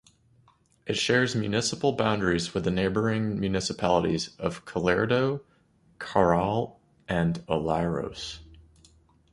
It shares municipal boundaries with the neighbouring municipalities of Culleredo, Carral and Oleiros.